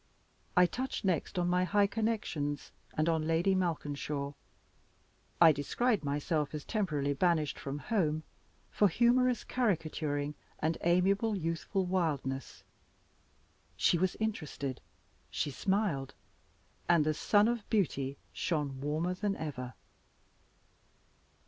I touched next on my high connections, and on Lady Malkinshaw; I described myself as temporarily banished from home for humorous caricaturing, and amiable youthful wildness. She was interested; she smiled and the sun of beauty shone warmer than ever!